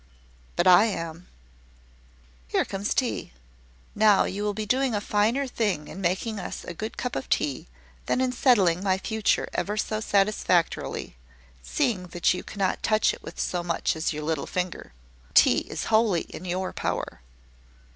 "But I am." "Here comes tea. Now you will be doing a finer thing in making us a good cup of tea, than in settling my future ever so satisfactorily seeing that you cannot touch it with so much as your little finger. The tea is wholly in your power."